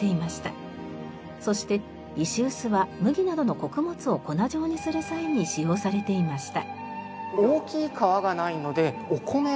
そして石臼は麦などの穀物を粉状にする際に使用されていました。